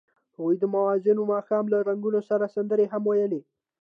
هغوی د موزون ماښام له رنګونو سره سندرې هم ویلې.